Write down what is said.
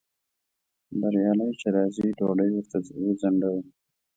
بریالی چې راځي ډوډۍ ورته وځنډوئ